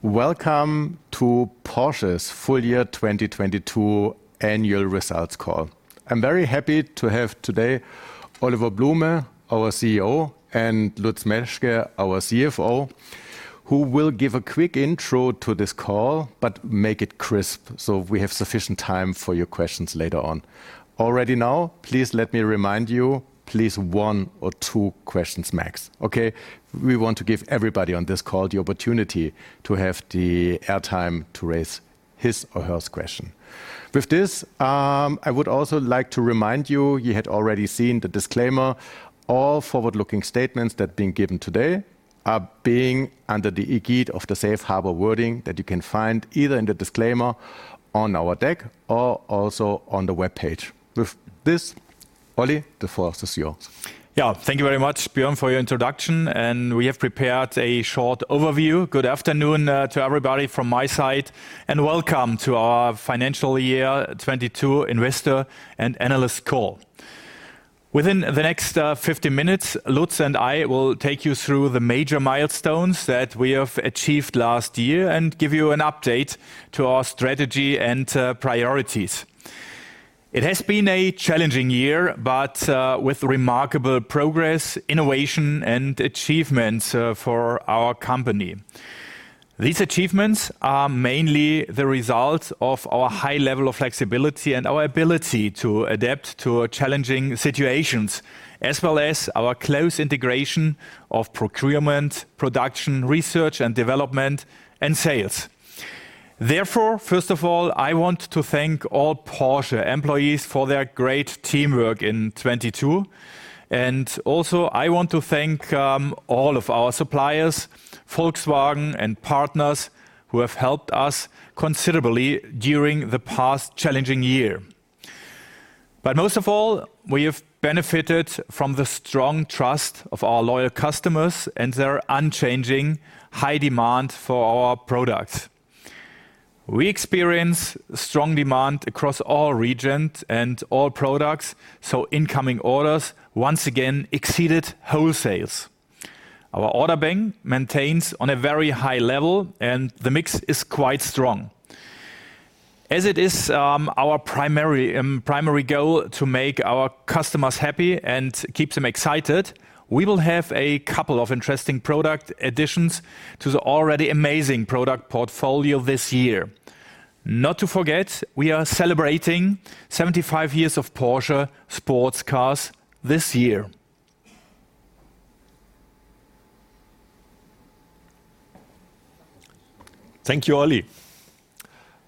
Welcome to Porsche's full year 2022 annual results call. I'm very happy to have today Oliver Blume, our CEO, and Lutz Meschke, our CFO, who will give a quick intro to this call, but make it crisp so we have sufficient time for your questions later on. Already now, please let me remind you, please one or two questions max, okay? We want to give everybody on this call the opportunity to have the air time to raise his or her question. With this, I would also like to remind you had already seen the disclaimer. All forward-looking statements that are being given today are being under the aegis of the safe harbor wording that you can find either in the disclaimer on our deck or also on the webpage. With this, Oli, the floor is yours. Thank you very much, Björn, for your introduction. We have prepared a short overview. Good afternoon to everybody from my side. Welcome to our financial year 2022 investor and analyst call. Within the next 50 minutes, Lutz and I will take you through the major milestones that we have achieved last year. Give you an update to our strategy and priorities. It has been a challenging year, with remarkable progress, innovation and achievements for our company. These achievements are mainly the result of our high level of flexibility and our ability to adapt to challenging situations, as well as our close integration of procurement, production, research and development, and sales. First of all, I want to thank all Porsche employees for their great teamwork in 2022. Also I want to thank all of our suppliers, Volkswagen and partners, who have helped us considerably during the past challenging year. Most of all, we have benefited from the strong trust of our loyal customers and their unchanging high demand for our products. We experience strong demand across all regions and all products, so incoming orders once again exceeded wholesales. Our order bank maintains on a very high level, and the mix is quite strong. As it is, our primary goal to make our customers happy and keep them excited, we will have a couple of interesting product additions to the already amazing product portfolio this year. Not to forget, we are celebrating 75 years of Porsche sports cars this year. Thank you, Oli.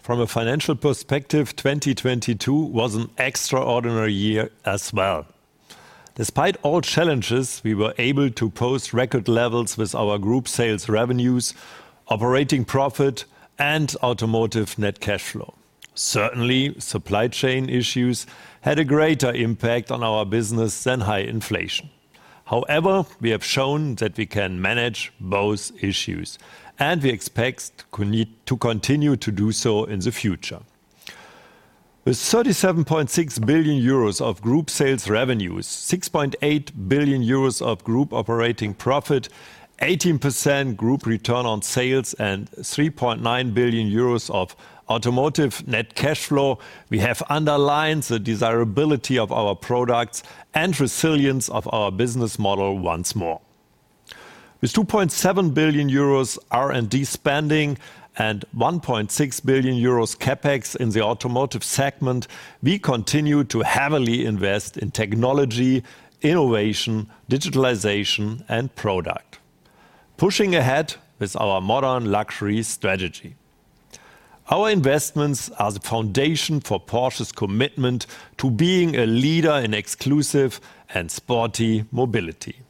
From a financial perspective, 2022 was an extraordinary year as well. Despite all challenges, we were able to post record levels with our group sales revenues, operating profit and automotive net cash flow. Certainly, supply chain issues had a greater impact on our business than high inflation. However, we have shown that we can manage both issues, and we expect to continue to do so in the future. With 37.6 billion euros of group sales revenues, 6.8 billion euros of group operating profit, 18% group return on sales and 3.9 billion euros of automotive net cash flow, we have underlined the desirability of our products and resilience of our business model once more. With 2.7 billion euros R&D spending and 1.6 billion euros CapEx in the automotive segment, we continue to heavily invest in technology, innovation, digitalization and product, pushing ahead with our modern luxury strategy. Our investments are the foundation for Porsche's commitment to being a leader in exclusive and sporty mobility.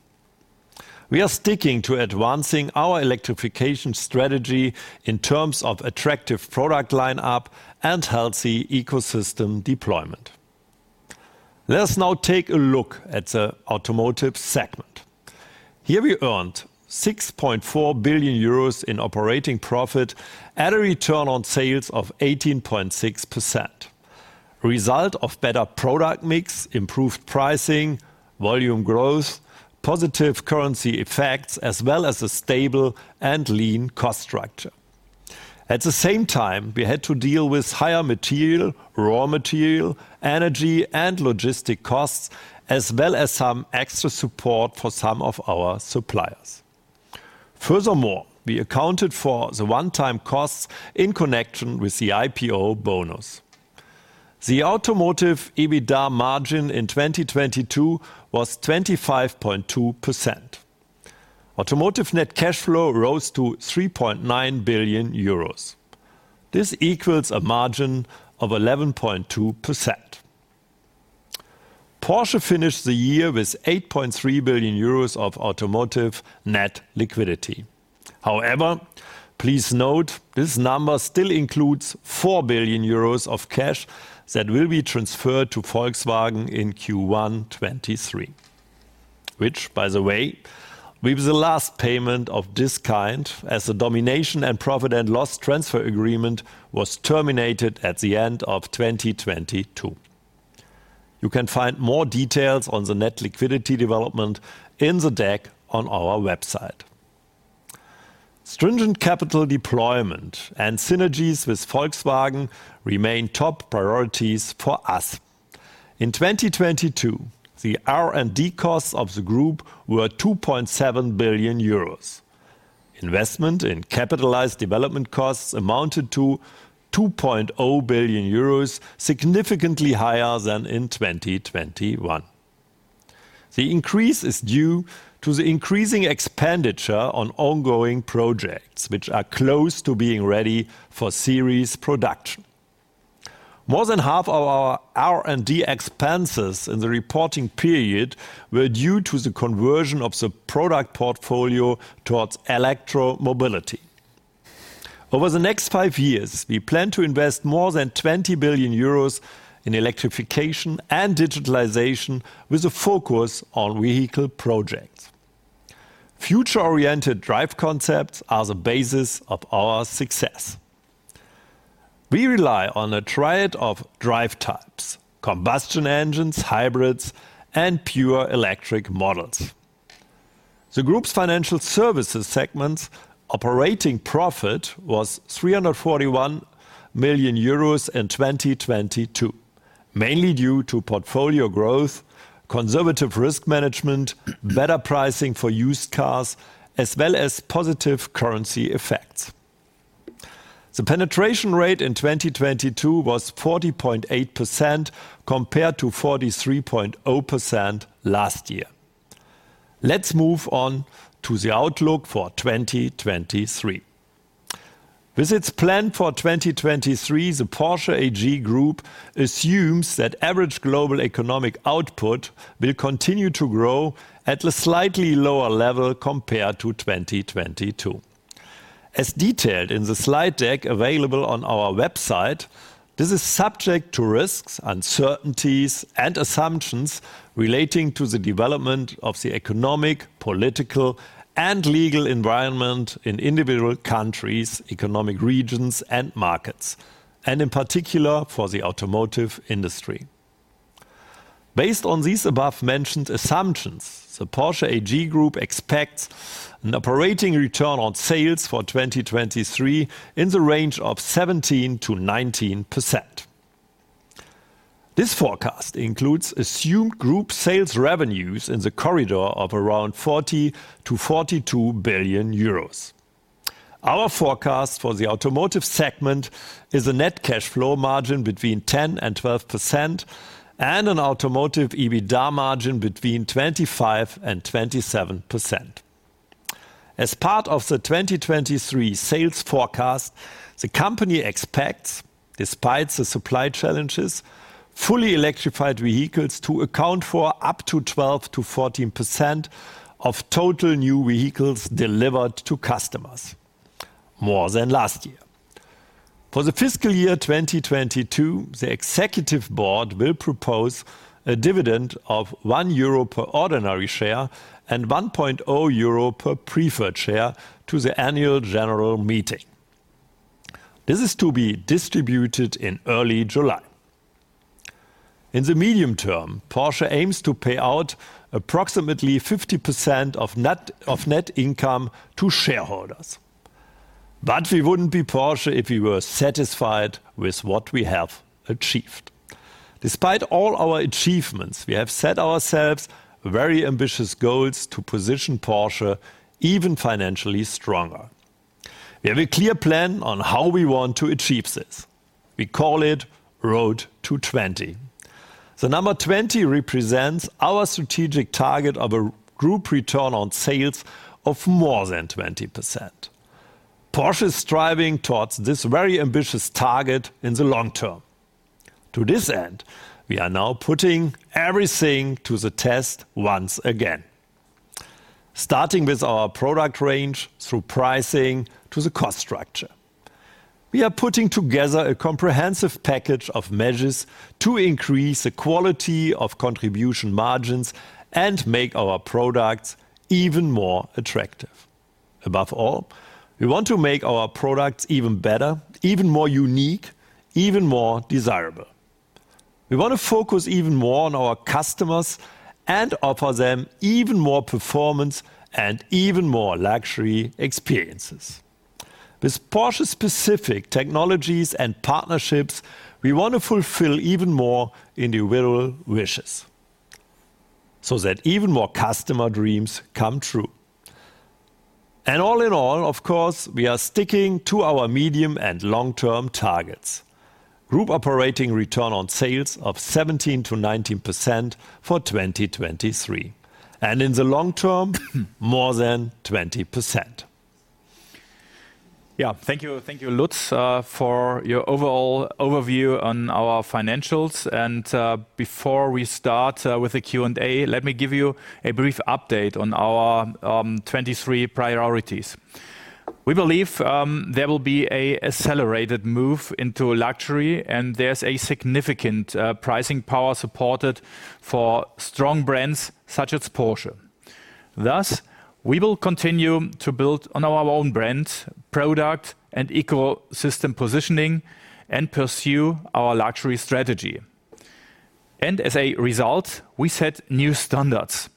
We are sticking to advancing our electrification strategy in terms of attractive product line up and healthy ecosystem deployment. Let us now take a look at the automotive segment. Here we earned 6.4 billion euros in operating profit at a return on sales of 18.6%, result of better product mix, improved pricing, volume growth, positive currency effects, as well as a stable and lean cost structure. At the same time, we had to deal with higher material, raw material, energy and logistic costs, as well as some extra support for some of our suppliers. We accounted for the one-time costs in connection with the IPO bonus. The automotive EBITDA margin in 2022 was 25.2%. Automotive net cash flow rose to 3.9 billion euros. This equals a margin of 11.2%. Porsche finished the year with 8.3 billion euros of automotive net liquidity. However, please note this number still includes 4 billion euros of cash that will be transferred to Volkswagen in Q1 2023, which, by the way, will be the last payment of this kind as the domination and profit and loss transfer agreement was terminated at the end of 2022. You can find more details on the net liquidity development in the deck on our website. Stringent capital deployment and synergies with Volkswagen remain top priorities for us. In 2022, the R&D costs of the group were 2.7 billion euros. Investment in capitalized development costs amounted to 2.0 billion euros, significantly higher than in 2021. The increase is due to the increasing expenditure on ongoing projects which are close to being ready for series production. More than half of our R&D expenses in the reporting period were due to the conversion of the product portfolio towards electro mobility. Over the next five years, we plan to invest more than 20 billion euros in electrification and digitalization with a focus on vehicle projects. Future-oriented drive concepts are the basis of our success. We rely on a triad of drive types, combustion engines, hybrids, and pure electric models. The group's financial services segment's operating profit was 341 million euros in 2022, mainly due to portfolio growth, conservative risk management, better pricing for used cars, as well as positive currency effects. The penetration rate in 2022 was 40.8% compared to 43.0% last year. Let's move on to the outlook for 2023. With its plan for 2023, the Porsche AG group assumes that average global economic output will continue to grow at a slightly lower level compared to 2022. As detailed in the slide deck available on our website, this is subject to risks, uncertainties, and assumptions relating to the development of the economic, political, and legal environment in individual countries, economic regions, and markets, and in particular for the automotive industry. Based on these above-mentioned assumptions, the Porsche AG group expects an operating return on sales for 2023 in the range of 17%-19%. This forecast includes assumed group sales revenues in the corridor of around 40 billion-42 billion euros. Our forecast for the automotive segment is a net cash flow margin between 10% and 12% and an automotive EBITDA margin between 25% and 27%. As part of the 2023 sales forecast, the company expects, despite the supply challenges, fully electrified vehicles to account for up to 12%-14% of total new vehicles delivered to customers, more than last year. For the fiscal year 2022, the executive board will propose a dividend of 1 euro per ordinary share and 1.0 euro per preferred share to the annual general meeting. This is to be distributed in early July. In the medium term, Porsche aims to pay out approximately 50% of net income to shareholders. We wouldn't be Porsche if we were satisfied with what we have achieved. Despite all our achievements, we have set ourselves very ambitious goals to position Porsche even financially stronger. We have a clear plan on how we want to achieve this. We call it Road to 20. The number 20 represents our strategic target of a group return on sales of more than 20%. Porsche is striving towards this very ambitious target in the long term. To this end, we are now putting everything to the test once again, starting with our product range through pricing to the cost structure. We are putting together a comprehensive package of measures to increase the quality of contribution margins and make our products even more attractive. Above all, we want to make our products even better, even more unique, even more desirable. We wanna focus even more on our customers and offer them even more performance and even more luxury experiences. With Porsche specific technologies and partnerships, we wanna fulfill even more individual wishes so that even more customer dreams come true. All in all, of course, we are sticking to our medium and long-term targets. Group operating return on sales of 17%-19% for 2023, and in the long term, more than 20%. Yeah, thank you, thank you, Lutz, for your overall overview on our financials. Before we start with the Q&A, let me give you a brief update on our 2023 priorities. We believe there will be a accelerated move into luxury and there's a significant pricing power supported for strong brands such as Porsche. We will continue to build on our own brand, product, and ecosystem positioning and pursue our luxury strategy. As a result, we set new standards.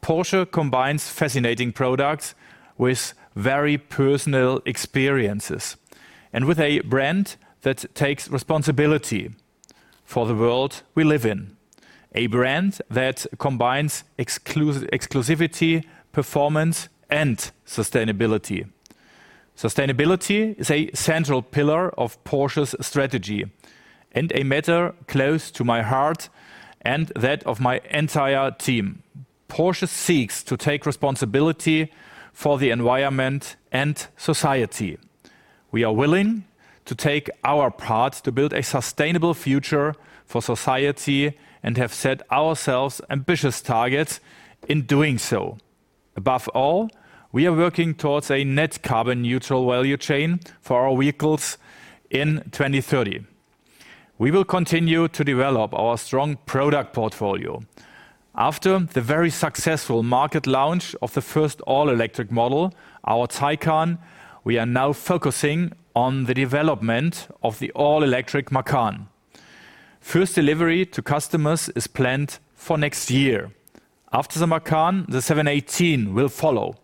Porsche combines fascinating products with very personal experiences and with a brand that takes responsibility for the world we live in. A brand that combines exclusivity, performance, and sustainability. Sustainability is a central pillar of Porsche's strategy and a matter close to my heart and that of my entire team. Porsche seeks to take responsibility for the environment and society. We are willing to take our part to build a sustainable future for society and have set ourselves ambitious targets in doing so. Above all, we are working towards a net carbon neutral value chain for our vehicles in 2030. We will continue to develop our strong product portfolio. After the very successful market launch of the first all-electric model, our Taycan, we are now focusing on the development of the all-electric Macan. First delivery to customers is planned for next year. After the Macan, the 718 will follow.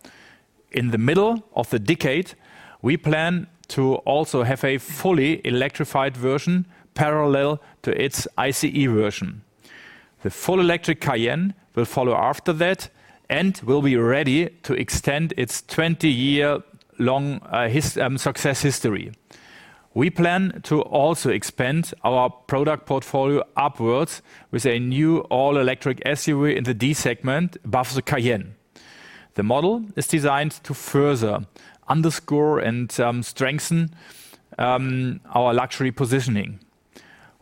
In the middle of the decade, we plan to also have a fully electrified version parallel to its ICE version. The full electric Cayenne will follow after that and will be ready to extend its 20-year long success history. We plan to also expand our product portfolio upwards with a new all-electric SUV in the D-segment above the Cayenne. The model is designed to further underscore and strengthen our luxury positioning.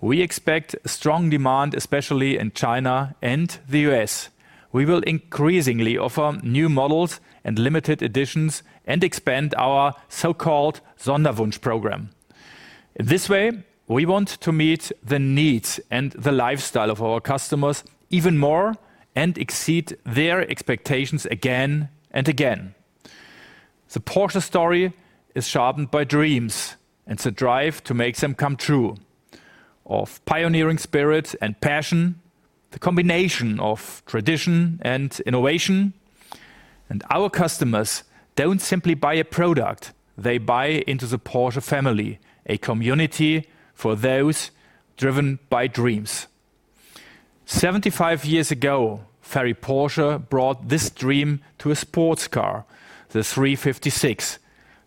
We expect strong demand, especially in China and the U.S. We will increasingly offer new models and limited editions and expand our so-called Sonderwunsch program. This way, we want to meet the needs and the lifestyle of our customers even more and exceed their expectations again and again. The Porsche story is sharpened by dreams and the drive to make them come true, of pioneering spirit and passion, the combination of tradition and innovation, and our customers don't simply buy a product, they buy into the Porsche family, a community for those driven by dreams. 75 years ago, Ferry Porsche brought this dream to a sports car, the 356,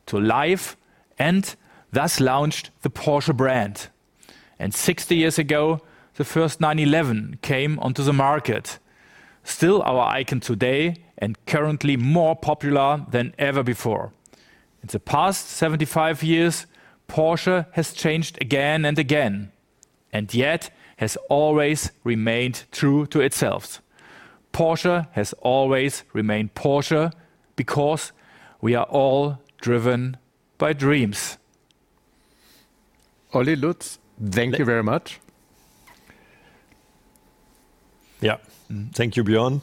to life and thus launched the Porsche brand. Sixty years ago, the first 911 came onto the market, still our icon today and currently more popular than ever before. In the past 75 years, Porsche has changed again and again, and yet has always remained true to itself. Porsche has always remained Porsche because we are all driven by dreams. Oli Lutz, thank you very much. Yeah. Thank you, Björn.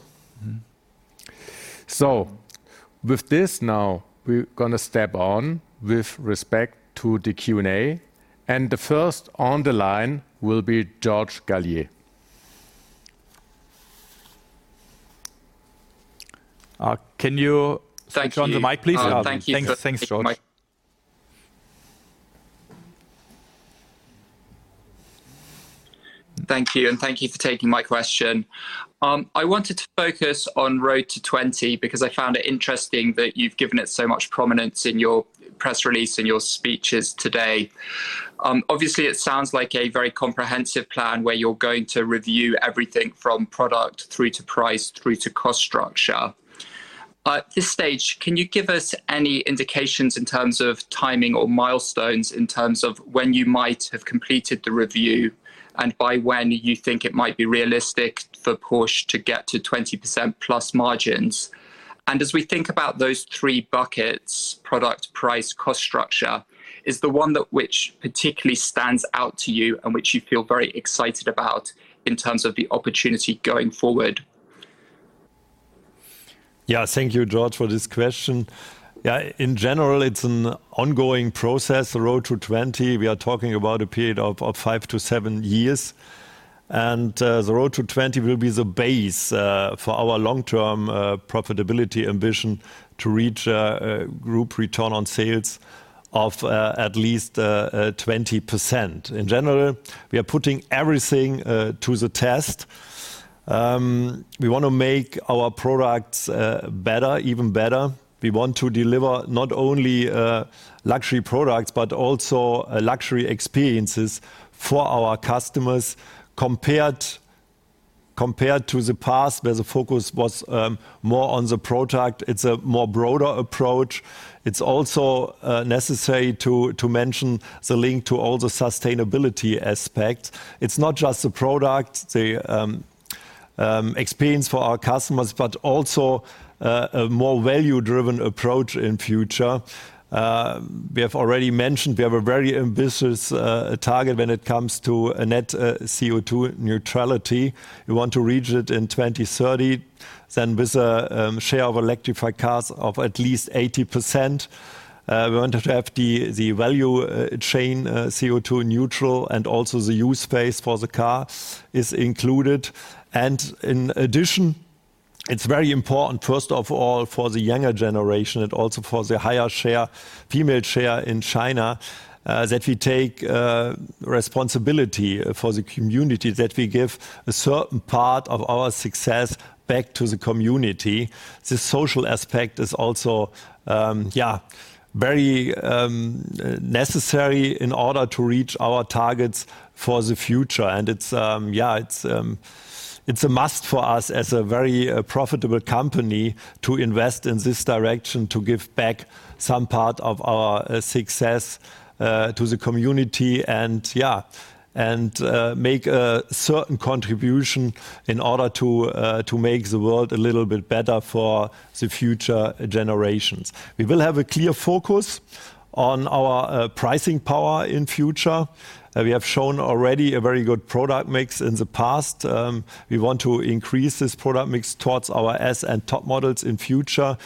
With this now, we're gonna step on with respect to the Q&A, and the first on the line will be George Galliers. Thank you. Put George on the mic, please? Thank you for taking. Thanks, thanks, George. Thank you, and thank you for taking my question. I wanted to focus on Road to 20 because I found it interesting that you've given it so much prominence in your press release and your speeches today. Obviously it sounds like a very comprehensive plan where you're going to review everything from product through to price through to cost structure. At this stage, can you give us any indications in terms of timing or milestones in terms of when you might have completed the review and by when you think it might be realistic for Porsche to get to 20%+ margins? As we think about those three buckets, product, price, cost structure, is the one that which particularly stands out to you and which you feel very excited about in terms of the opportunity going forward? Yeah. Thank you, George, for this question. Yeah, in general, it's an ongoing process, the Road to 20. We are talking about a period of five to seven years. The Road to 20 will be the base for our long-term profitability ambition to reach a group return on sales of at least 20%. In general, we are putting everything to the test. We wanna make our products better, even better. We want to deliver not only luxury products, but also luxury experiences for our customers compared to the past, where the focus was more on the product. It's a more broader approach. It's also necessary to mention the link to all the sustainability aspects. It's not just the product, the experience for our customers, but also a more value-driven approach in future. We have already mentioned we have a very ambitious target when it comes to a net CO2 neutrality. We want to reach it in 2030 then with a share of electrified cars of at least 80%. We wanted to have the value chain CO2 neutral and also the use phase for the car is included. In addition, it's very important, first of all, for the younger generation and also for the higher share, female share in China that we take responsibility for the community, that we give a certain part of our success back to the community. The social aspect is also yeah, very necessary in order to reach our targets for the future. It's a must for us as a very profitable company to invest in this direction, to give back some part of our success to the community and make a certain contribution in order to make the world a little bit better for the future generations. We will have a clear focus on our pricing power in future. We have shown already a very good product mix in the past. We want to increase this product mix towards our S and top models in future.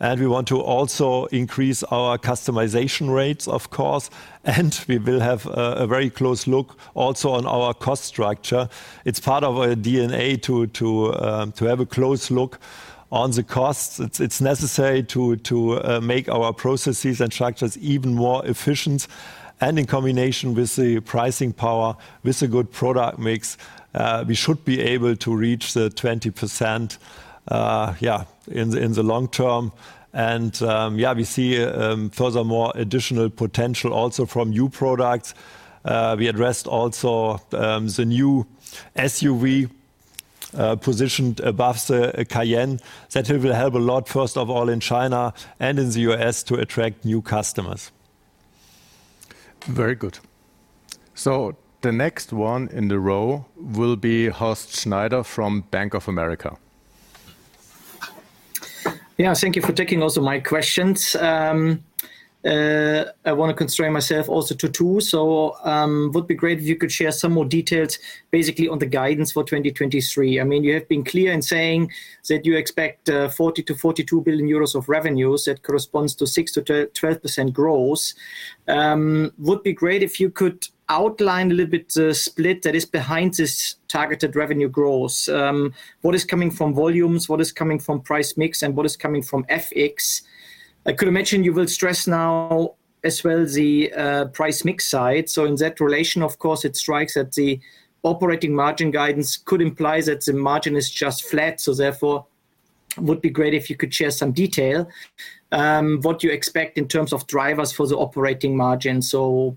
We want to also increase our customization rates, of course, and we will have a very close look also on our cost structure. It's part of our D&A to have a close look on the costs. It's necessary to make our processes and structures even more efficient. In combination with the pricing power, with the good product mix, we should be able to reach the 20%, yeah, in the long term. Yeah, we see, furthermore, additional potential also from new products. We addressed also the new SUV, positioned above the Cayenne, that it will help a lot, first of all, in China and in the U.S. to attract new customers. Very good. The next one in the row will be Horst Schneider from Bank of America. Yeah. Thank you for taking also my questions. I wanna constrain myself also to two. Would be great if you could share some more details basically on the guidance for 2023. I mean, you have been clear in saying that you expect 40 billion-42 billion euros of revenues. That corresponds to 6%-12% growth. Would be great if you could outline a little bit the split that is behind this targeted revenue growth. What is coming from volumes, what is coming from price mix, and what is coming from FX. I could imagine you will stress now as well the price mix side. In that relation, of course, it strikes that the operating margin guidance could imply that the margin is just flat. Therefore, it would be great if you could share some detail what you expect in terms of drivers for the operating margin.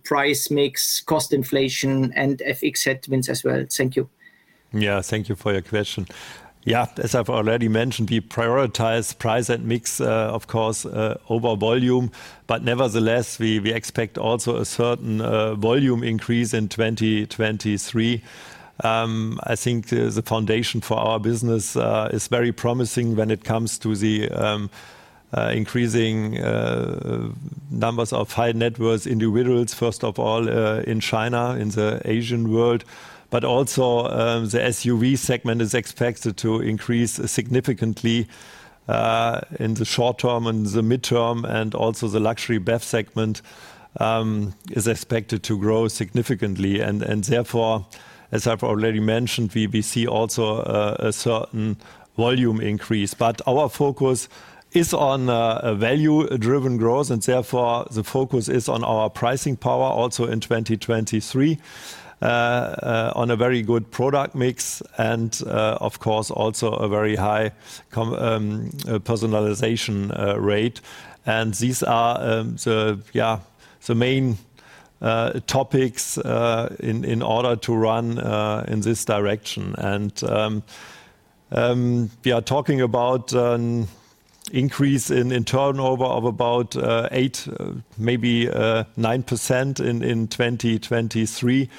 Price mix, cost inflation, and FX headwinds as well. Thank you. Yeah. Thank you for your question. Yeah. As I've already mentioned, we prioritize price and mix, of course, over volume. Nevertheless, we expect also a certain volume increase in 2023. I think the foundation for our business is very promising when it comes to the increasing numbers of high net worth individuals, first of all, in China, in the Asian world. Also, the SUV segment is expected to increase significantly in the short term and the midterm, and also the luxury BEV segment is expected to grow significantly. Therefore, as I've already mentioned, we see also a certain volume increase. Value-driven growth. Therefore, the focus is on our pricing power also in 2023, on a very good product mix, and of course, also a very high personalization rate. These are the main topics in order to run in this direction. We are talking about an increase in turnover of about eight, maybe 9% in 2023,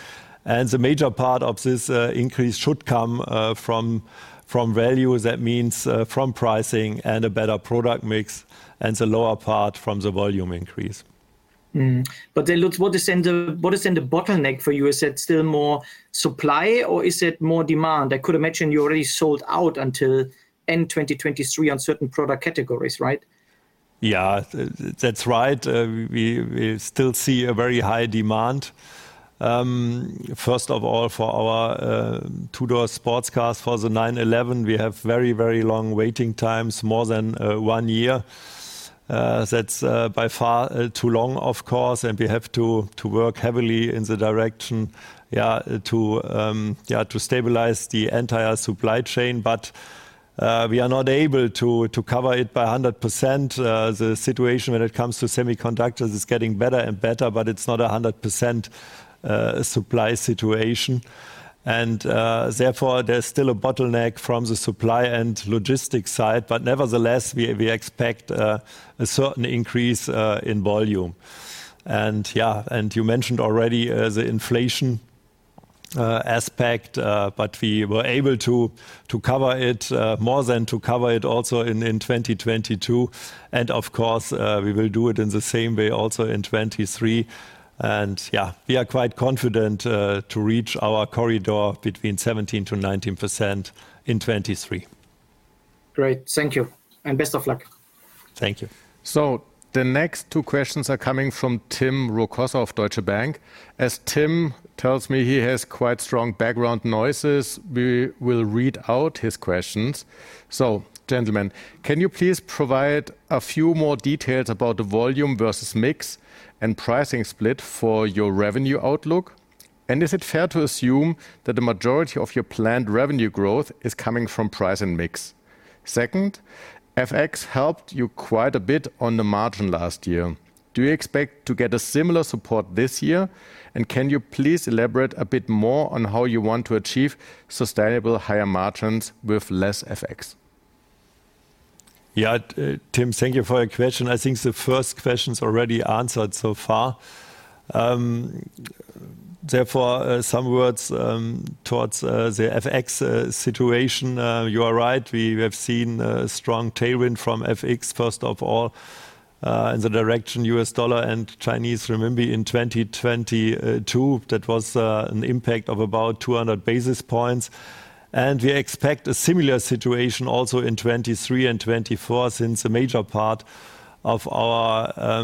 and the major part of this increase should come from value. That means from pricing and a better product mix, and the lower part from the volume increase look, what is in the bottleneck for you? Is it still more supply or is it more demand? I could imagine you already sold out until end 2023 on certain product categories, right? Yeah. That's right. We still see a very high demand. First of all, for our two-door sports cars. For the 911, we have very, very long waiting times, more than one year. That's by far too long, of course, and we have to work heavily in the direction, yeah, to stabilize the entire supply chain. We are not able to cover it by 100%. The situation when it comes to semiconductors is getting better and better, but it's not a 100% supply situation. Therefore, there's still a bottleneck from the supply and logistics side, but nevertheless, we expect a certain increase in volume. You mentioned already the inflation aspect, but we were able to cover it more than to cover it also in 2022. Of course, we will do it in the same way also in 2023. We are quite confident to reach our corridor between 17%-19% in 2023. Great. Thank you, and best of luck. Thank you. The next two questions are coming from Tim Rokossa of Deutsche Bank. As Tim tells me, he has quite strong background noises. We will read out his questions. Gentlemen, can you please provide a few more details about the volume versus mix and pricing split for your revenue outlook? Is it fair to assume that the majority of your planned revenue growth is coming from price and mix? Second, FX helped you quite a bit on the margin last year. Do you expect to get a similar support this year, and can you please elaborate a bit more on how you want to achieve sustainable higher margins with less FX? Yeah, Tim, thank you for your question. I think the first question's already answered so far. Therefore, some words towards the FX situation. You are right. We have seen a strong tailwind from FX, first of all, in the direction U.S. dollar and Chinese renminbi in 2022. That was an impact of about 200 basis points. We expect a similar situation also in 2023 and 2024, since a major part of our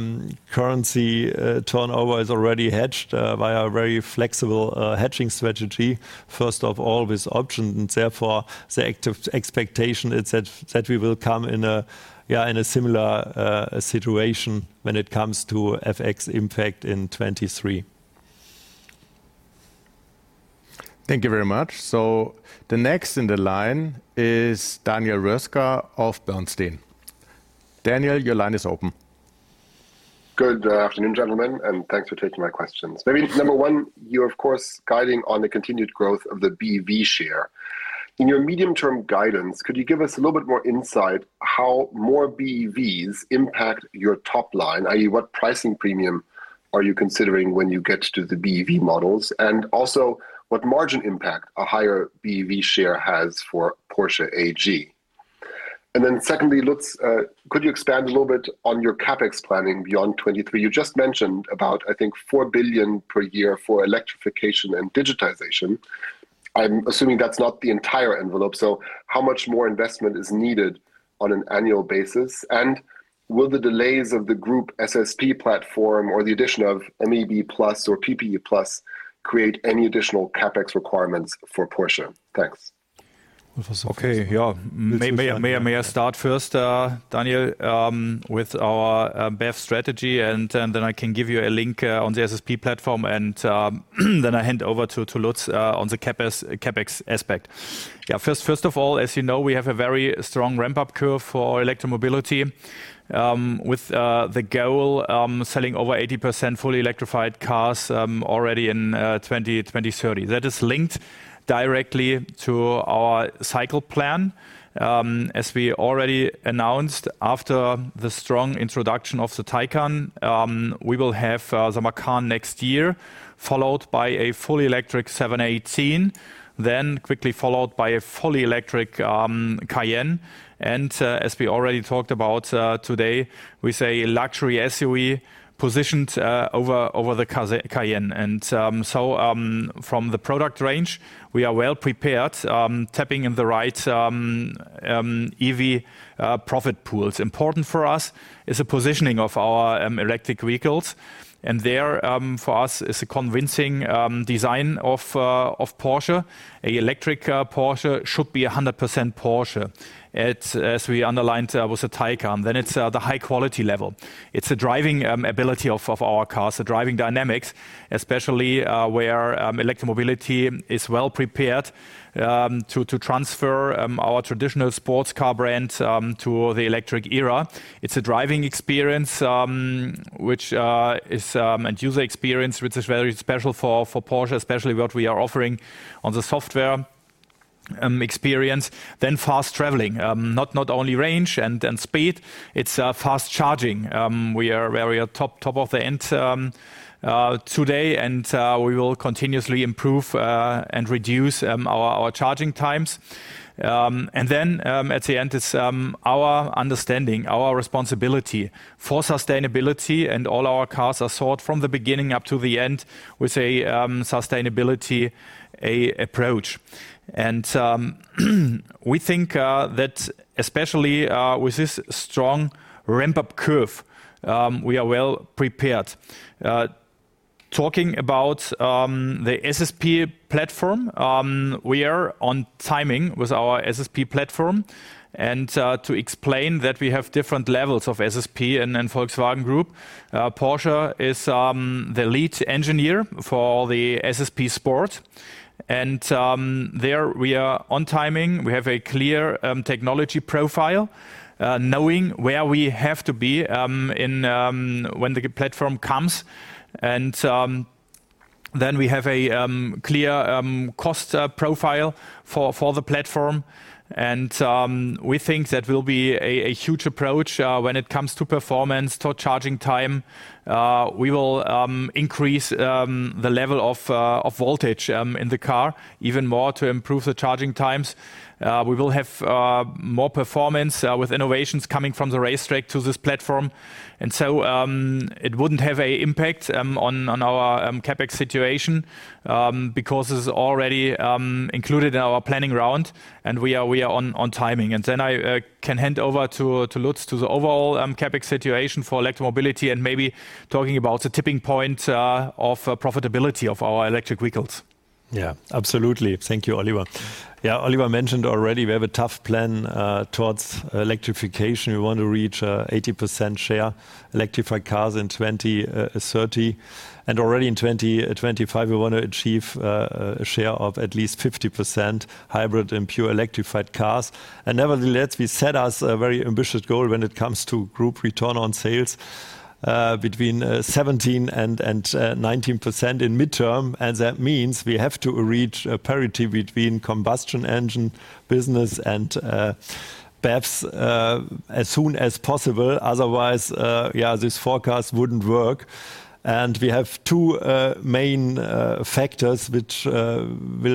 currency turnover is already hedged by a very flexible hedging strategy, first of all, with options, therefore the act of expectation is that we will come in a, yeah, in a similar situation when it comes to FX impact in 2023. Thank you very much. The next in the line is Daniel Roeska of Bernstein. Daniel, your line is open. Good afternoon, gentlemen, thanks for taking my questions. Maybe number one, you're of course guiding on the continued growth of the BEV share. In your medium-term guidance, could you give us a little bit more insight how more BEVs impact your top line? I.e., what pricing premium are you considering when you get to the BEV models? What margin impact a higher BEV share has for Porsche AG. Secondly, Lutz, could you expand a little on your CapEx planning beyond 2023? You just mentioned about, I think, 4 billion per year for electrification and digitization. I'm assuming that's not the entire envelope, how much more investment is needed on an annual basis? Will the delays of the group SSP platform or the addition of MEB+ or PPE create any additional CapEx requirements for Porsche? Thanks. Okay. May I start first, Daniel, with our BEV strategy and then I can give you a link on the SSP platform and then I hand over to Lutz on the CapEx aspect. First of all, as you know, we have a very strong ramp-up curve for electromobility with the goal selling over 80% fully electrified cars already in 2030. That is linked directly to our cycle plan. As we already announced, after the strong introduction of the Taycan, we will have the Macan next year, followed by a fully electric 718, then quickly followed by a fully electric Cayenne. As we already talked about today, we say luxury SUV positioned over the Cayenne. From the product range, we are well prepared, tapping in the right EV profit pools. Important for us is the positioning of our electric vehicles, and there for us is a convincing design of Porsche. A electric Porsche should be 100% Porsche. It's, as we underlined, with the Taycan, then it's the high quality level. It's the driving ability of our cars, the driving dynamics, especially where electromobility is well prepared to transfer our traditional sports car brand to the electric era. It's a driving experience, which is end-user experience, which is very special for Porsche, especially what we are offering on the software experience. Fast traveling. Not only range and speed, it's fast charging. We are very top of the end today, and we will continuously improve and reduce our charging times. Then, at the end, it's our understanding, our responsibility for sustainability, and all our cars are sold from the beginning up to the end with a sustainability approach. We think that especially with this strong ramp-up curve, we are well prepared. Talking about the SSP platform, we are on timing with our SSP platform, and to explain that we have different levels of SSP in Volkswagen Group. Porsche is the lead engineer for the SSP Sport. There we are on timing. We have a clear technology profile, knowing where we have to be, in, when the platform comes. We have a clear cost profile for the platform, we think that will be a huge approach when it comes to performance, to charging time. We will increase the level of voltage in the car even more to improve the charging times. We will have more performance with innovations coming from the racetrack to this platform. It wouldn't have a impact on our CapEx situation because it's already included in our planning round, and we are on timing. I can hand over to Lutz to the overall CapEx situation for electromobility and maybe talking about the tipping point of profitability of our electric vehicles. Yeah. Absolutely. Thank you, Oliver. Yeah, Oliver mentioned already we have a tough plan towards electrification. We want to reach 80% share electrified cars in 2030, and already in 2025, we want to achieve a share of at least 50% hybrid and pure electrified cars. Nevertheless, we set us a very ambitious goal when it comes to group return on sales between 17% and 19% in midterm, and that means we have to reach a parity between combustion engine business and BEVs as soon as possible. Otherwise, this forecast wouldn't work. We have two main factors which will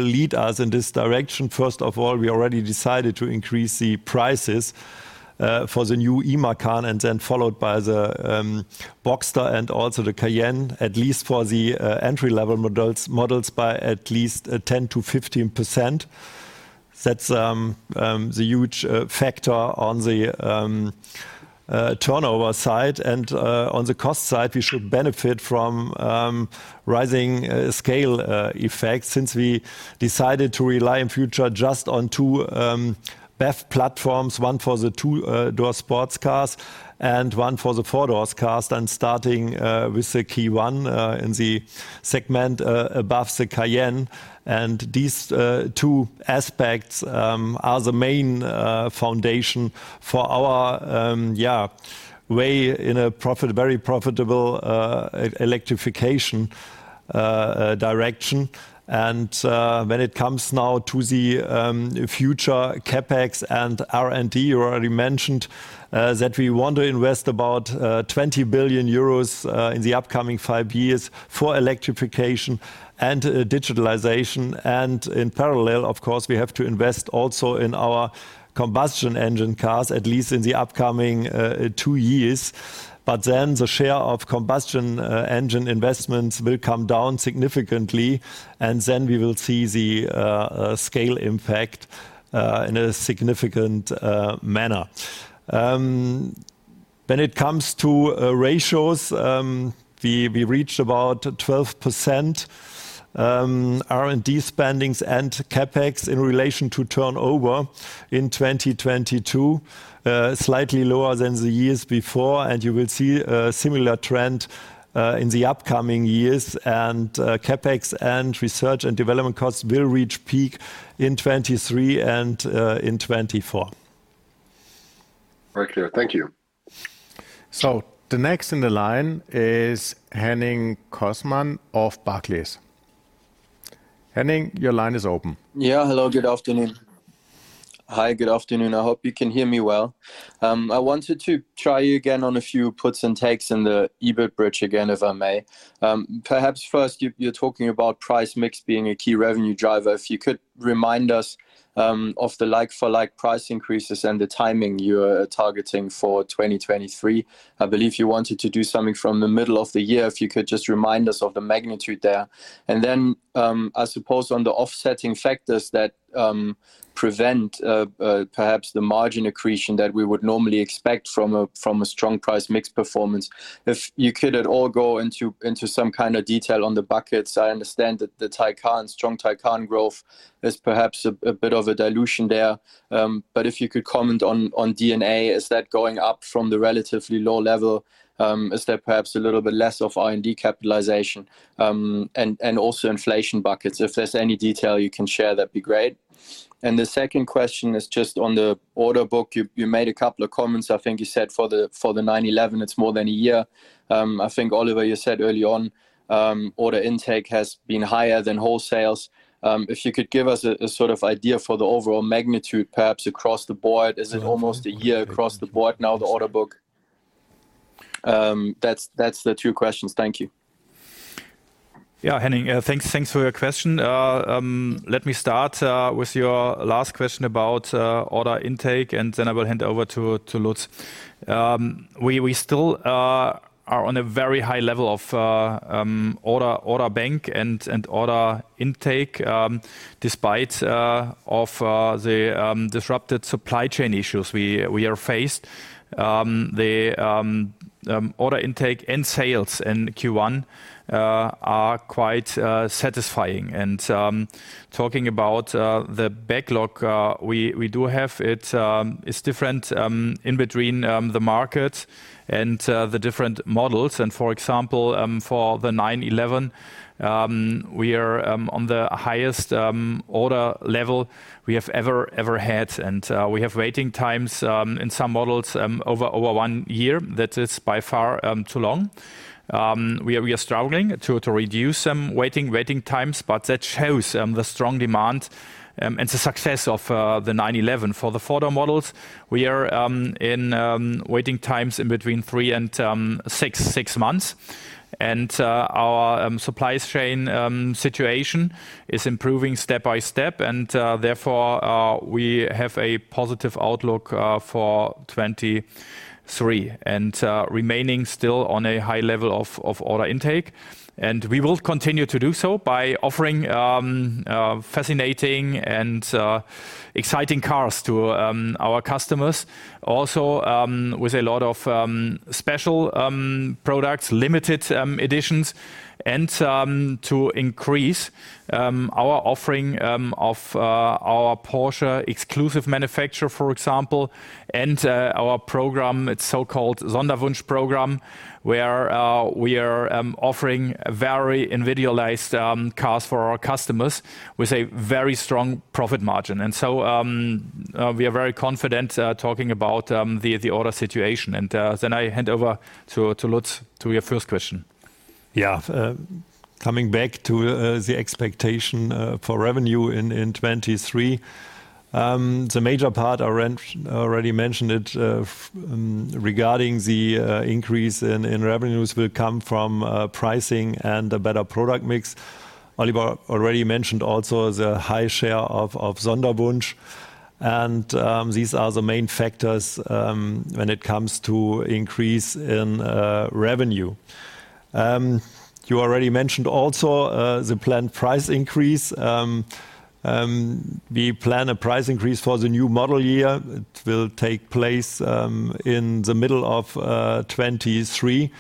lead us in this direction. First of all, we already decided to increase the prices for the new Taycan, followed by the Boxster and also the Cayenne, at least for the entry-level models by at least 10%-15%. That's the huge factor on the turnover side. On the cost side, we should benefit from rising scale effects since we decided to rely in future just on two BEV platforms, one for the two door sports cars and one for the four doors cars, starting with the K1 in the segment above the Cayenne. These two aspects are the main foundation for our yeah, way in a very profitable electrification direction. When it comes now to the future CapEx and R&D, you already mentioned that we want to invest about 20 billion euros in the upcoming five years for electrification and digitalization. In parallel, of course, we have to invest also in our combustion engine cars, at least in the upcoming two years. The share of combustion engine investments will come down significantly, and then we will see the scale impact in a significant manner. When it comes to ratios, we reached about 12% R&D spendings and CapEx in relation to turnover in 2022, slightly lower than the years before. You will see a similar trend, in the upcoming years, and CapEx and research and development costs will reach peak in 2023 and in 2024. Very clear. Thank you. The next in the line is Henning Cosman of Barclays. Henning, your line is open. Yeah. Hello, good afternoon. Hi, good afternoon. I hope you can hear me well. I wanted to try you again on a few puts and takes in the EBIT bridge again, if I may? Perhaps first, you're talking about price mix being a key revenue driver. If you could remind us, of the like for like price increases and the timing you are targeting for 2023? I believe you wanted to do something from the middle of the year. If you could just remind us of the magnitude there? Then, I suppose on the offsetting factors that prevent perhaps the margin accretion that we would normally expect from a strong price mix performance, if you could at all go into some kind of detail on the buckets? I understand that the Taycan, strong Taycan growth is perhaps a bit of a dilution there. If you could comment on D&A, is that going up from the relatively low level? Is there perhaps a little bit less of R&D capitalization? Also inflation buckets. If there's any detail you can share, that'd be great. The second question is just on the order book. You made a couple of comments. I think you said for the 911, it's more than a year. I think, Oliver, you said early on, order intake has been higher than wholesales. If you could give us a sort of idea for the overall magnitude, perhaps across the board. Is it almost a year across the board now, the order book? That's the two questions. Thank you. Yeah, Henning, thanks for your question. Let me start with your last question about order intake, and then I will hand over to Lutz. We still are on a very high level of order bank and order intake, despite of the disrupted supply chain issues we are faced. The order intake and sales in Q1 are quite satisfying. Talking about the backlog we do have, it's different in between the markets and the different models. For example, for the 911, we are on the highest order level we have ever had. We have waiting times in some models over one year. That is by far too long. We are struggling to reduce some waiting times, but that shows the strong demand and the success of the 911. For the four-door models, we are in waiting times in between three and six months. Our supply chain situation is improving step by step, and therefore, we have a positive outlook for 2023, remaining still on a high level of order intake. We will continue to do so by offering fascinating and exciting cars to our customers, also with a lot of special products, limited editions. To increase our offering of our Porsche Exclusive Manufaktur, for example, and our program, it's so-called Sonderwunsch program, where we are offering very individualized cars for our customers with a very strong profit margin. So we are very confident talking about the order situation. Then I hand over to Lutz to your first question. Yeah. Coming back to the expectation for revenue in 2023. The major part I already mentioned it, regarding the increase in revenues will come from pricing and a better product mix. Oliver Blume already mentioned also the high share of Sonderwunsch. These are the main factors when it comes to increase in revenue. You already mentioned also the planned price increase. We plan a price increase for the new model year. It will take place in the middle of 2023.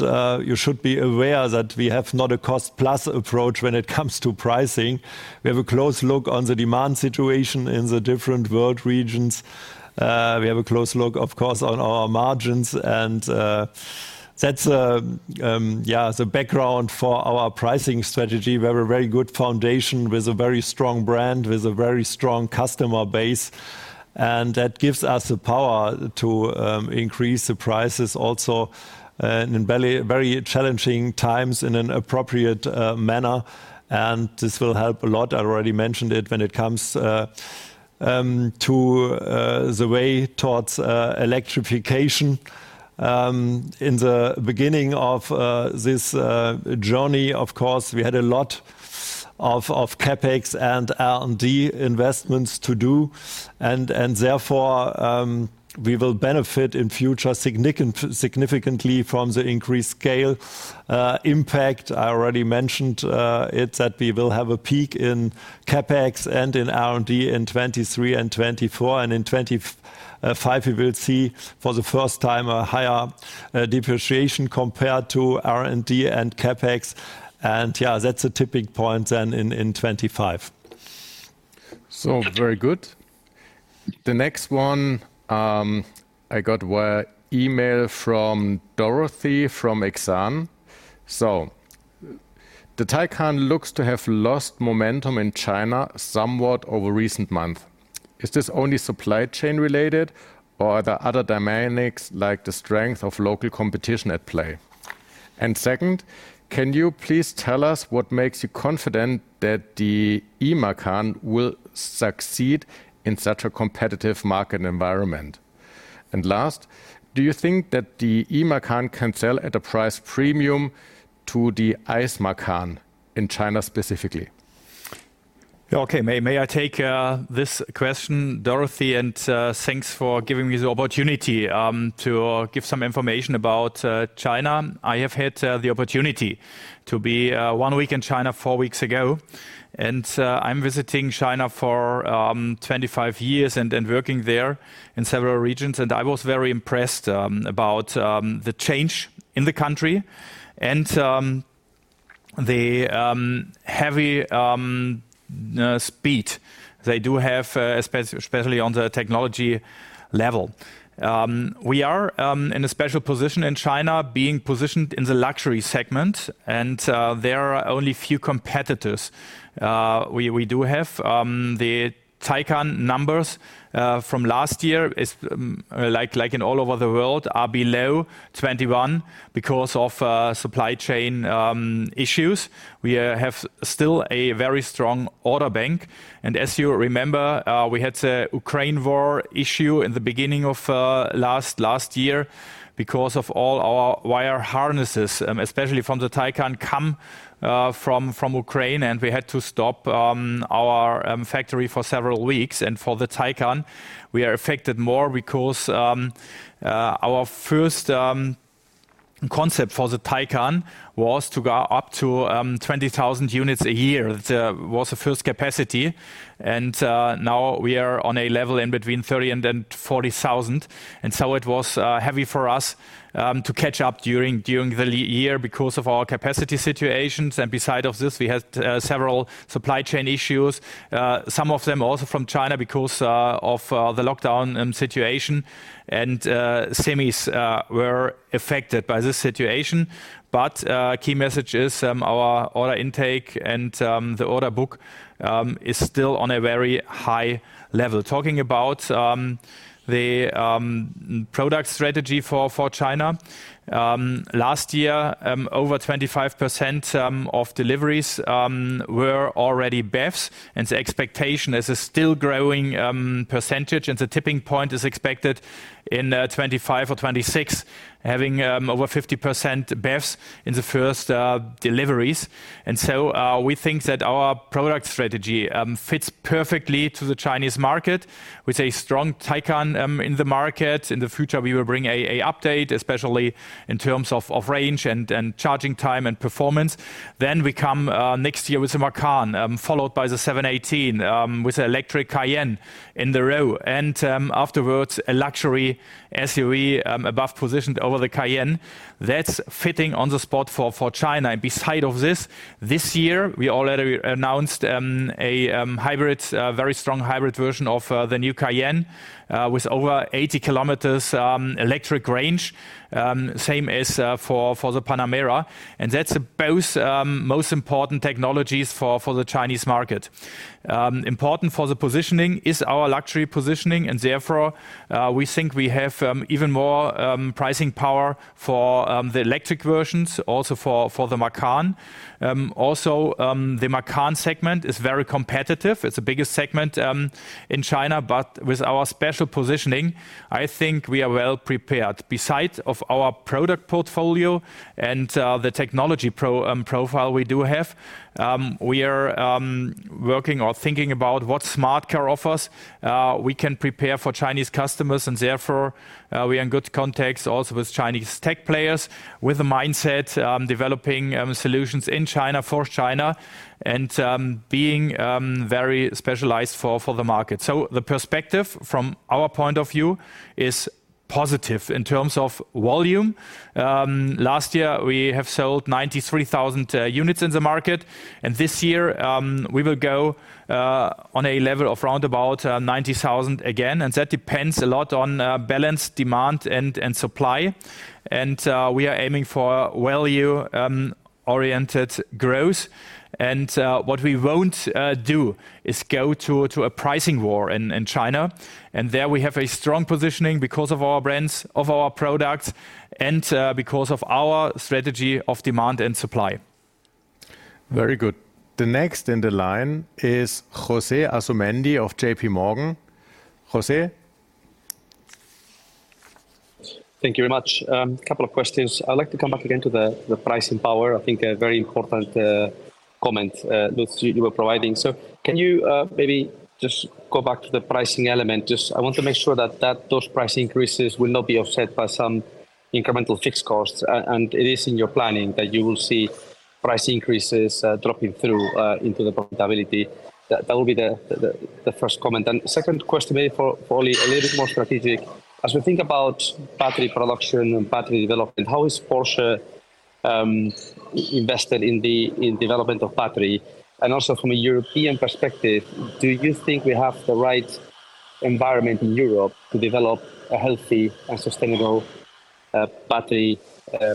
You should be aware that we have not a cost plus approach when it comes to pricing. We have a close look on the demand situation in the different world regions. We have a close look, of course, on our margins. That's, yeah, the background for our pricing strategy. We have a very good foundation with a very strong brand, with a very strong customer base, and that gives us the power to increase the prices also in very, very challenging times in an appropriate manner. This will help a lot, I already mentioned it, when it comes to the way towards electrification. In the beginning of this journey, of course, we had a lot of CapEx and R&D investments to do, and therefore, we will benefit in future significantly from the increased scale impact. I already mentioned it, that we will have a peak in CapEx and in R&D in 2023 and 2024. In 2025, we will see for the first time a higher depreciation compared to R&D and CapEx. Yeah, that's a tipping point then in 2025. Very good. The next one, I got via email from Dorothy from Exane. The Taycan looks to have lost momentum in China somewhat over recent month. Is this only supply chain related, or are there other dynamics like the strength of local competition at play? Second, can you please tell us what makes you confident that the eMacan will succeed in such a competitive market environment? Last, do you think that the eMacan can sell at a price premium to the ICE Macan in China specifically? Yeah. Okay. May I take this question, Dorothy? Thanks for giving me the opportunity to give some information about China. I have had the opportunity to be one week in China four weeks ago. I'm visiting China for 25 years and working there in several regions. I was very impressed about the change in the country and the heavy speed they do have especially on the technology level. We are in a special position in China, being positioned in the luxury segment, and there are only few competitors we do have. The Taycan numbers from last year is like in all over the world, are below 2021 because of supply chain issues. We have still a very strong order bank. As you remember, we had a Ukraine war issue in the beginning of last year because of all our wire harnesses, especially from the Taycan come from Ukraine, and we had to stop our factory for several weeks. For the Taycan we are affected more because our first concept for the Taycan was to go up to 20,000 units a year. It was the first capacity, and now we are on a level in between 30,000 and then 40,000. It was heavy for us to catch up during the year because of our capacity situations. Beside of this, we had several supply chain issues, some of them also from China because of the lockdown situation. Semis were affected by this situation. Key message is, our order intake and the order book is still on a very high level. Talking about the product strategy for China, last year, over 25% of deliveries were already BEVs, and the expectation is a still growing percentage, and the tipping point is expected in 2025 or 2026, having over 50% BEVs in the first deliveries. We think that our product strategy fits perfectly to the Chinese market. With a strong Taycan in the market. In the future, we will bring a update, especially in terms of range and charging time and performance. We come next year with the Macan, followed by the 718, with electric Cayenne in the row, and afterwards a luxury SUV above positioned over the Cayenne that's fitting on the spot for China. Beside of this year we already announced a very strong hybrid version of the new Cayenne with over 80 km electric range. Same as for the Panamera. That's both most important technologies for the Chinese market. Important for the positioning is our luxury positioning and therefore, we think we have even more pricing power for the electric versions, also for the Macan. Also, the Macan segment is very competitive. It's the biggest segment in China, but with our special positioning, I think we are well prepared. Beside of our product portfolio and the technology profile we do have, we are working or thinking about what smart car offers we can prepare for Chinese customers and therefore, we are in good contacts also with Chinese tech players, with the mindset developing solutions in China for China and being very specialized for the market. The perspective from our point of view is positive in terms of volume. Last year we have sold 93,000 units in the market, and this year, we will go on a level of round about 90,000 again. That depends a lot on balance, demand and supply. We are aiming for value oriented growth. What we won't do is go to a pricing war in China. There we have a strong positioning because of our brands, of our products, and because of our strategy of demand and supply. Very good. The next in the line is José Asumendi of JPMorgan. José. Thank you very much. Couple of questions. I'd like to come back again to the pricing power. I think a very important comment, Lutz, you were providing. Can you maybe just go back to the pricing element? Just I want to make sure that those price increases will not be offset by some incremental fixed costs. It is in your planning that you will see price increases dropping through into the profitability. That will be the first comment. Second question maybe for Oli, a little bit more strategic. As we think about battery production and battery development, how is Porsche invested in the development of battery? Also from a European perspective, do you think we have the right environment in Europe to develop a healthy and sustainable battery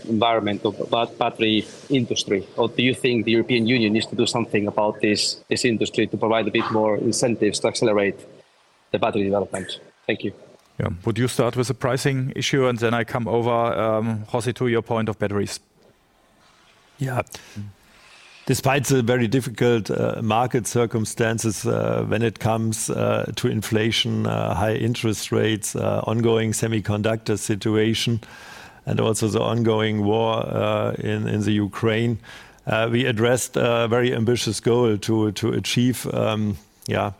environment or battery industry, or do you think the European Union needs to do something about this industry to provide a bit more incentives to accelerate the battery development? Thank you. Yeah. Would you start with the pricing issue and then I come over, José, to your point of batteries? Yeah. Despite the very difficult market circumstances, when it comes to inflation, high interest rates, ongoing semiconductor situation and also the ongoing war in the Ukraine, we addressed a very ambitious goal to achieve, yeah,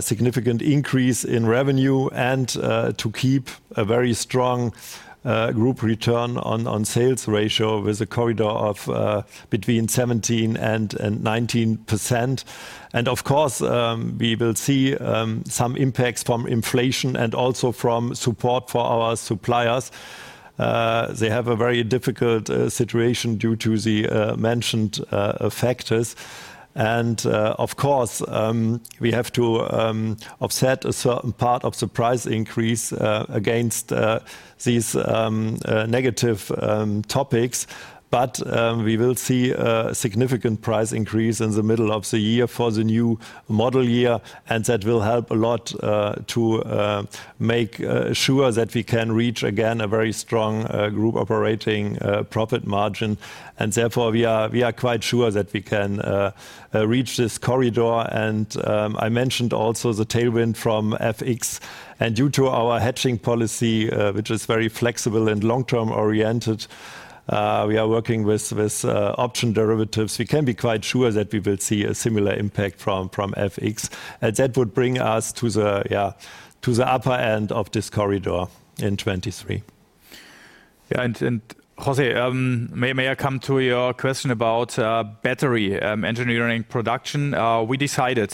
significant increase in revenue and to keep a very strong group return on sales ratio with a corridor of between 17% and 19%. Of course, we will see some impacts from inflation and also from support for our suppliers. They have a very difficult situation due to the mentioned factors. Of course, we have to offset a certain part of the price increase against these negative topics. We will see a significant price increase in the middle of the year for the new model year, and that will help a lot to make sure that we can reach again a very strong group operating profit margin. Therefore, we are quite sure that we can reach this corridor. I mentioned also the tailwind from FX. Due to our hedging policy, which is very flexible and long-term oriented, we are working with option derivatives. We can be quite sure that we will see a similar impact from FX. That would bring us to the, yeah, to the upper end of this corridor in 2023. Yeah, and José, may I come to your question about battery engineering production? We decided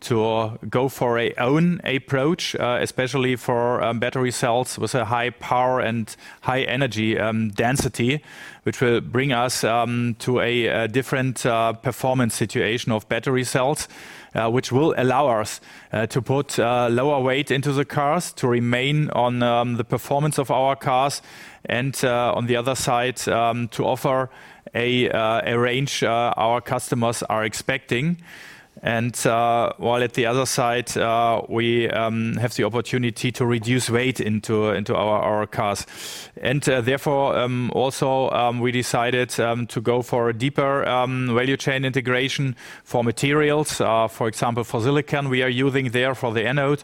to go for our own approach, especially for battery cells with a high power and high energy density, which will bring us to a different performance situation of battery cells. Which will allow us to put lower weight into the cars to remain on the performance of our cars and on the other side to offer a range our customers are expecting. While at the other side, we have the opportunity to reduce weight into our cars. Therefore, also, we decided to go for a deeper value chain integration for materials. For example, for silicon, we are using there for the anode,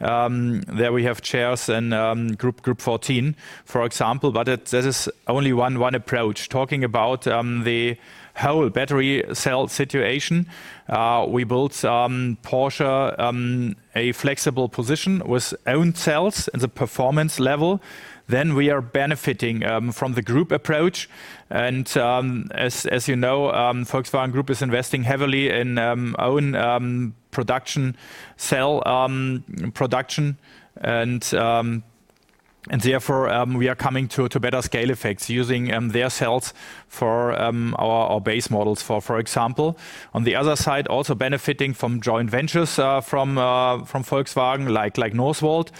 there we have shares in Group14, for example. That is only one approach. Talking about the whole battery cell situation, we built Porsche a flexible position with own cells and the performance level. We are benefiting from the group approach. As you know, Volkswagen Group is investing heavily in own production cell production. Therefore, we are coming to better scale effects using their cells for our base models, for example. On the other side, also benefiting from joint ventures from Volkswagen, like Northvolt.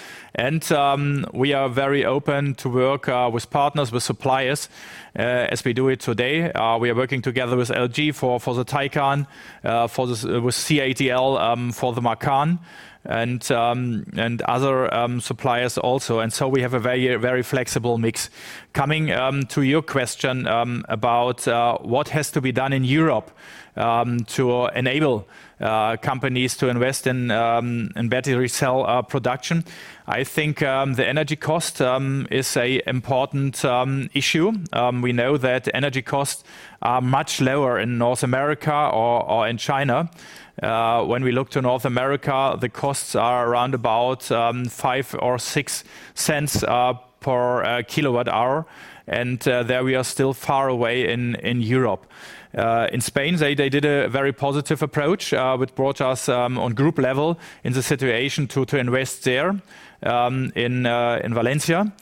We are very open to work with partners, with suppliers, as we do it today. We are working together with LG for the Taycan, with CATL for the Macan and other suppliers also. So we have a very flexible mix. Coming to your question about what has to be done in Europe to enable companies to invest in battery cell production. I think the energy cost is a important issue. We know that energy costs are much lower in North America or in China. When we look to North America, the costs are around about $0.05 or $0.06 Per kilowatt hour. There we are still far away in Europe. In Spain, they did a very positive approach, which brought us on group level in the situation to invest there in Valencia.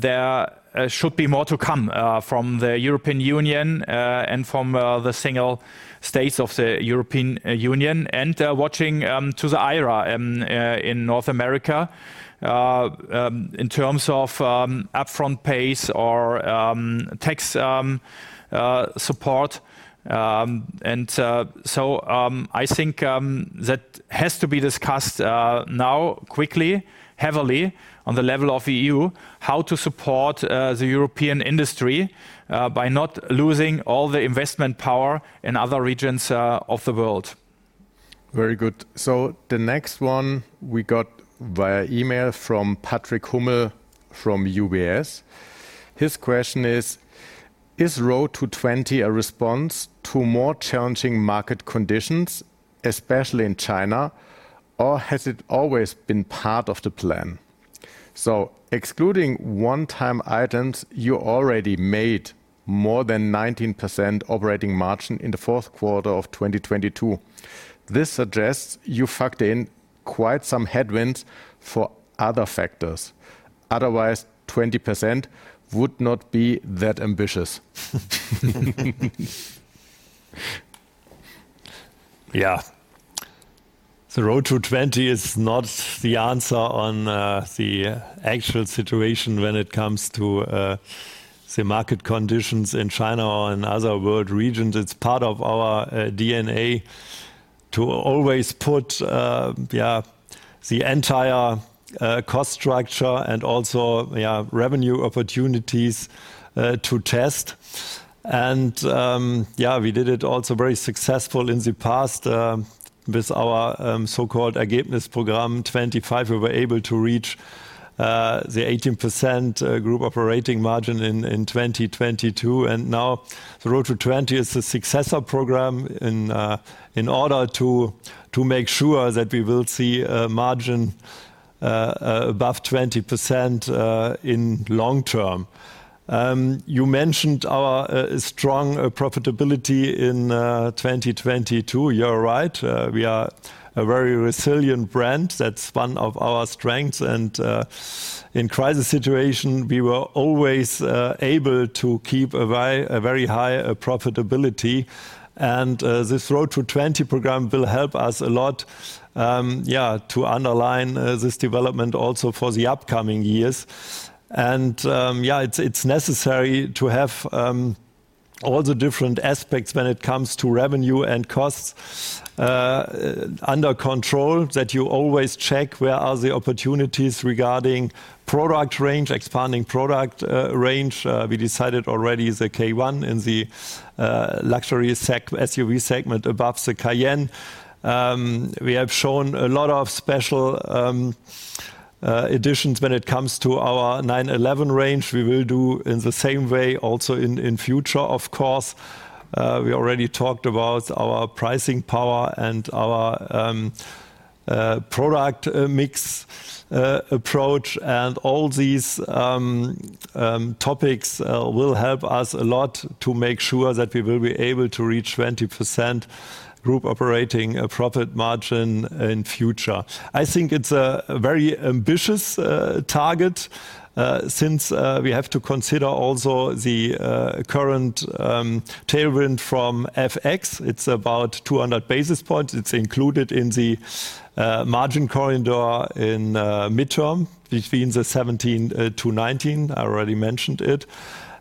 There should be more to come from the European Union and from the single states of the European Union. Watching to the IRA in North America in terms of upfront pace or tax support. I think that has to be discussed now quickly, heavily on the level of EU, how to support the European industry by not losing all the investment power in other regions of the world. Very good. The next one we got via email from Patrick Hummel, from UBS. His question is: Is Road to 20 a response to more challenging market conditions, especially in China, or has it always been part of the plan? Excluding one-time items, you already made more than 19% operating margin in Q4 2022. This suggests you factored in quite some headwinds for other factors. Otherwise, 20% would not be that ambitious. Yeah. The Road to 20 is not the answer on the actual situation when it comes to the market conditions in China or in other world regions. It's part of our D&A to always put, yeah, the entire cost structure and also, yeah, revenue opportunities to test. Yeah, we did it also very successful in the past, with our so-called Ergebnis Programm 25. We were able to reach the 18% group operating margin in 2022. Now the Road to 20 is the successor program in order to make sure that we will see a margin above 20% in long term. You mentioned our strong profitability in 2022. You're right. We are a very resilient brand. That's one of our strengths. In crisis situation, we were always able to keep a very high profitability. This Road to 20 program will help us a lot to underline this development also for the upcoming years. It's necessary to have all the different aspects when it comes to revenue and costs under control, that you always check where are the opportunities regarding product range, expanding product range. We decided already the K1 in the luxury SUV segment above the Cayenne. We have shown a lot of special editions when it comes to our 911 range. We will do in the same way also in future, of course. We already talked about our pricing power and our product mix approach and all these topics will help us a lot to make sure that we will be able to reach 20% group operating profit margin in future. I think it's a very ambitious target since we have to consider also the current tailwind from FX. It's about 200 basis points. It's included in the margin corridor in midterm between the 2017 to 2019. I already mentioned it.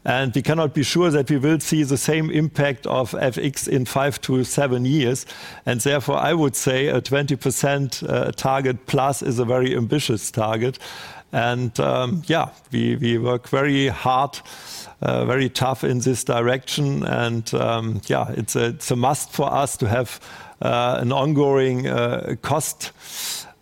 We cannot be sure that we will see the same impact of FX in five to seven years. Therefore, I would say a 20% target plus is a very ambitious target. Yeah, we work very hard, very tough in this direction. Yeah, it's a must for us to have an ongoing cost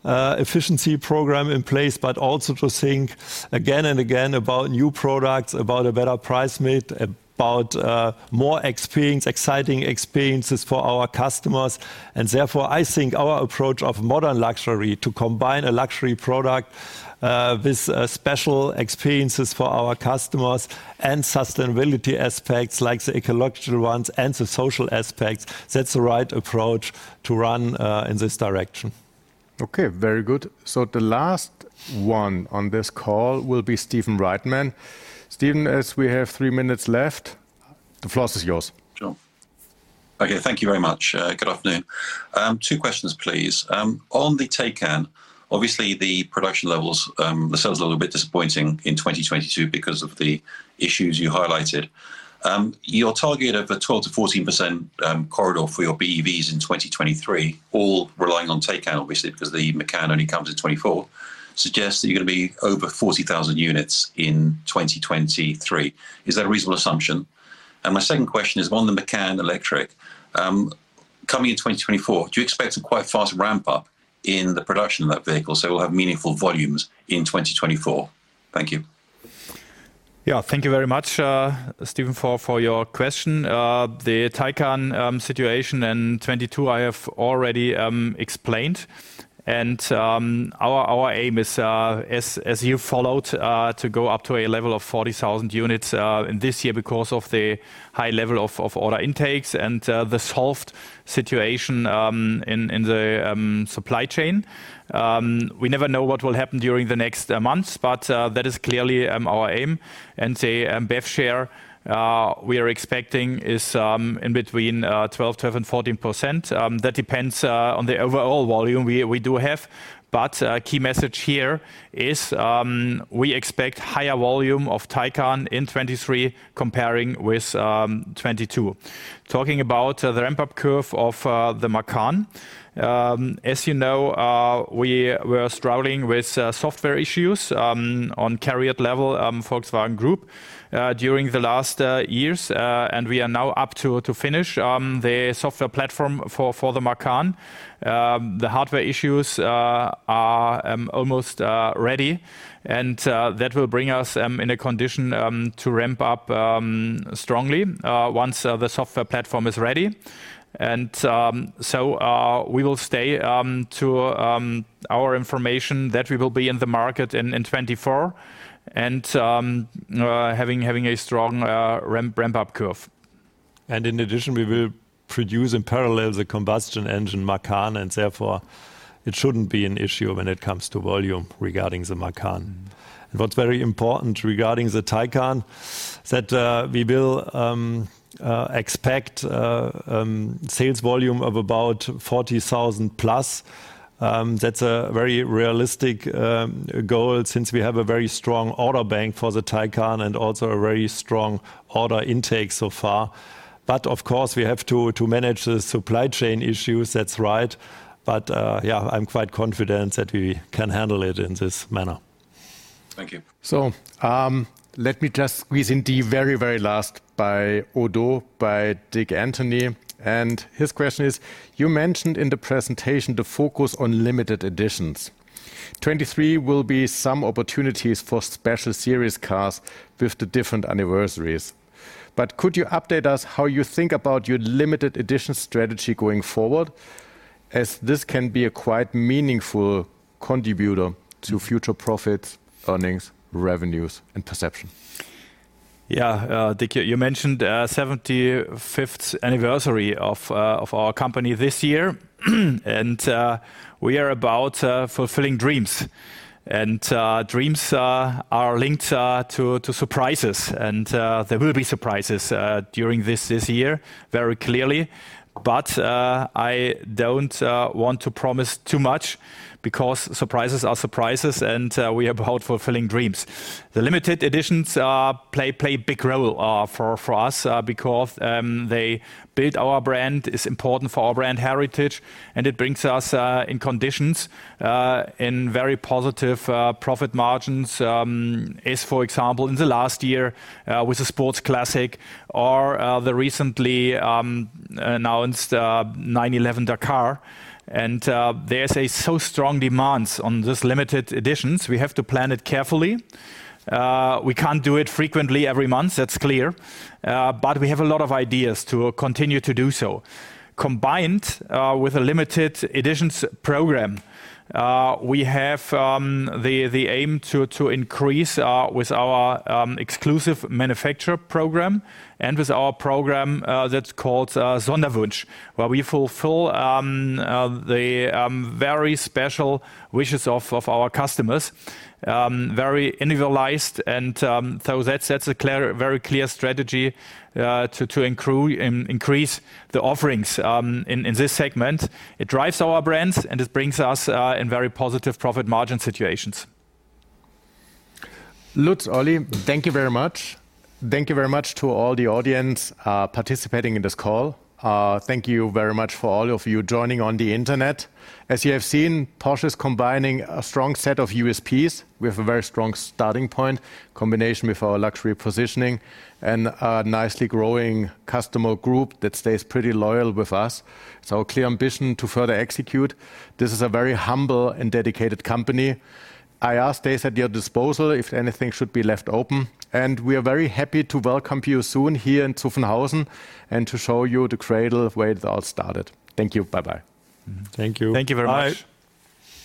efficiency program in place, but also to think again and again about new products, about a better price mix, about more experience, exciting experiences for our customers. Therefore, I think our approach of modern luxury to combine a luxury product with special experiences for our customers and sustainability aspects like the ecological ones and the social aspects, that's the right approach to run in this direction. The last one on this call will be Stephen Reitman. Steven, as we have three minutes left, the floor is yours. Sure. Okay, thank you very much. Good afternoon. Two questions, please. On the Taycan, obviously, the production levels sounds a little bit disappointing in 2022 because of the issues you highlighted. Your target of a 12%-14% corridor for your BEVs in 2023, all relying on Taycan, obviously, because the Macan only comes in 2024, suggests that you're gonna be over 40,000 units in 2023. Is that a reasonable assumption? My second question is on the Macan Electric. Coming in 2024, do you expect a quite fast ramp-up in the production of that vehicle, so we'll have meaningful volumes in 2024? Thank you. Thank you very much, Steven, for your question. The Taycan situation in 2022, I have already explained. Our aim is, as you followed, to go up to a level of 40,000 units in this year because of the high level of order intakes and the solved situation in the supply chain. We never know what will happen during the next months, but that is clearly our aim. The BEV share we are expecting is in between 12%-14%. That depends on the overall volume we do have. Key message here is, we expect higher volume of Taycan in 2023 comparing with 2022. Talking about the ramp-up curve of the Macan. As you know, we were struggling with software issues, on CARIAD level, Volkswagen Group, during the last years. We are now up to finish the software platform for the Macan. The hardware issues are almost ready, and that will bring us in a condition to ramp up strongly once the software platform is ready. We will stay to our information that we will be in the market in 2024 and having a strong ramp-up curve. In addition, we will produce in parallel the combustion engine Macan, and therefore, it shouldn't be an issue when it comes to volume regarding the Macan. What's very important regarding the Taycan, that we will expect sales volume of about 40,000+. That's a very realistic goal since we have a very strong order bank for the Taycan and also a very strong order intake so far. Of course we have to manage the supply chain issues. That's right. Yeah, I'm quite confident that we can handle it in this manner. Thank you. Let me just squeeze in the very, very last by ODDO, by Anthony. His question is, you mentioned in the presentation the focus on limited editions. 2023 will be some opportunities for special series cars with the different anniversaries. Could you update us how you think about your limited edition strategy going forward, as this can be a quite meaningful contributor to future profits, earnings, revenues, and perception? Yeah. Anthony, you mentioned 75th anniversary of our company this year. We are about fulfilling dreams. Dreams are linked to surprises. There will be surprises during this year, very clearly. I don't want to promise too much because surprises are surprises, and we are about fulfilling dreams. The limited editions play a big role for us because they build our brand, it's important for our brand heritage, and it brings us in conditions in very positive profit margins, as, for example, in the last year, with the 911 Sport Classic or the recently announced 911 Dakar. There's a so strong demands on this limited editions, we have to plan it carefully. We can't do it frequently every month. That's clear. We have a lot of ideas to continue to do so. Combined with a limited editions program, we have the aim to increase with our Exclusive Manufaktur program and with our program that's called Sonderwunsch, where we fulfill the very special wishes of our customers, very individualized and so that's a clear, very clear strategy to increase the offerings in this segment. It drives our brands, and it brings us in very positive profit margin situations. Lutz, Oli, thank you very much. Thank you very much to all the audience participating in this call. Thank you very much for all of you joining on the internet. As you have seen, Porsche is combining a strong set of USPs with a very strong starting point, combination with our luxury positioning and a nicely growing customer group that stays pretty loyal with us. It's our clear ambition to further execute. This is a very humble and dedicated company. I stay at your disposal if anything should be left open. We are very happy to welcome you soon here in Zuffenhausen and to show you the cradle of where it all started. Thank you. Bye-bye. Thank you. Thank you very much. Bye.